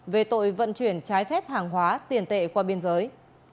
về tội vận chuyển trái phép hàng hóa tiền tệ qua biên giới